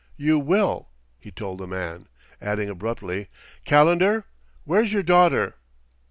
"You will," he told the man, adding abruptly: "Calendar, where's your daughter?"